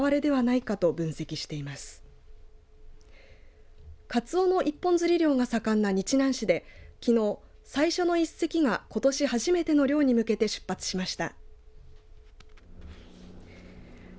かつおの一本釣り漁が盛んな日南市できのう最初の１隻がことし初めての漁に向けて出発しました。